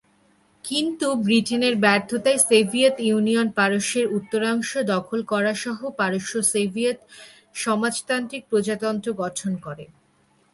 কিন্তু ব্রিটেনের ব্যর্থতায় সোভিয়েত ইউনিয়ন পারস্যের উত্তরাংশ দখল করাসহ পারস্য সোভিয়েত সমাজতান্ত্রিক প্রজাতন্ত্র গঠন করে।